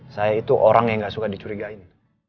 saya itu orang yang gak suka dicurigain